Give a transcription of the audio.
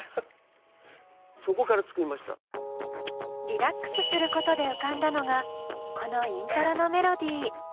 リラックスすることで浮かんだのがこのイントロのメロディー。